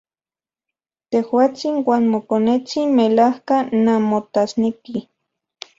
Tejuatsin uan mokonetsin melajka nanmotasnekij.